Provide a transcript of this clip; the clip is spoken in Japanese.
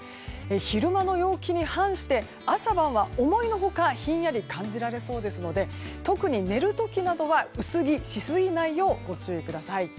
昼間の陽気に反して朝晩は思いのほかひんやり感じられそうですので特に寝る時などは薄着しすぎないようご注意ください。